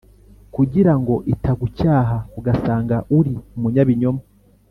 kugira ngo itagucyaha ugasanga uri umunyabinyoma